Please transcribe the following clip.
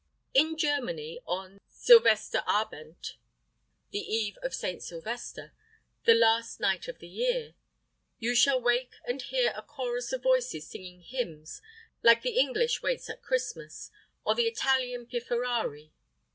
IN Germany on Sylvesterabend the eve of Saint Sylvester, the last night of the year you shall wake and hear a chorus of voices singing hymns, like the English waits at Christmas or the Italian pifferari.